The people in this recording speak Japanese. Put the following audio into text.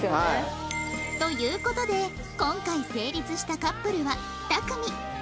という事で今回成立したカップルは２組